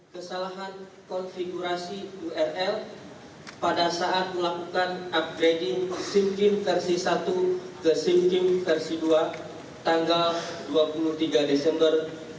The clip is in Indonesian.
kesalahan konfigurasi url pada saat melakukan upgrading sim kim versi satu ke sim kim versi dua tanggal dua puluh tiga desember dua ribu dua puluh